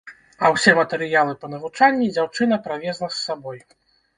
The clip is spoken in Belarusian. А ўсе матэрыялы па навучанні дзяўчына правезла з сабой.